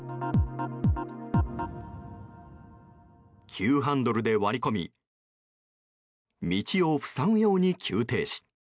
急ハンドルで割り込み道を塞ぐように急停止。